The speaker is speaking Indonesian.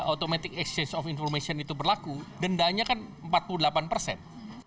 automatic exchange of information itu berlaku dendanya kan empat puluh delapan persen